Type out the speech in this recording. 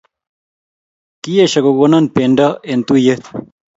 Kiyesho kokonon pendo en tuyet